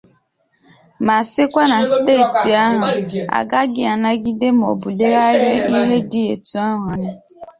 ma sịkwa na steeti ahụ agaghị anagide maọbụ leghara ihe dị etu ahụ anya.